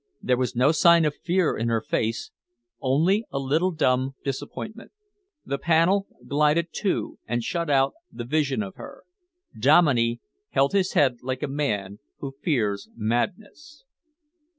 There was no sign of fear in her face; only a little dumb disappointment. The panel glided to and shut out the vision of her. Dominey held his head like a man who fears madness.